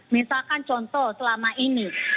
misalkan contoh selama ini